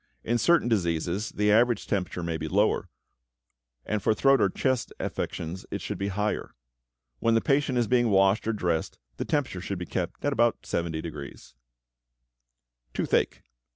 In certain diseases the average temperature may be lower, and for throat or chest affections it should be higher. When the patient is being washed or dressed, the temperature should be kept at about 70°. =Toothache.